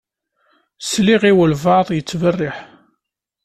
Sliɣ i walebɛaḍ yettberriḥ.